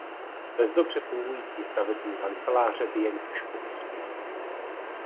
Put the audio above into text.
Bez dobře fungující stavební kanceláře by jen těžko uspěl.